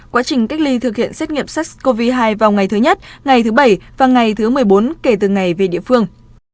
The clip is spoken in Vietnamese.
quá trình cách ly thực hiện xét nghiệm sars cov hai vào ngày thứ nhất ngày thứ bảy và ngày thứ một mươi bốn kể từ ngày về địa phương